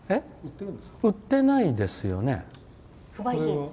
売ってないですよね。